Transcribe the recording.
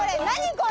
これ。